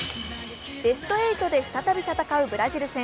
ベスト８で再び戦うブラジル戦。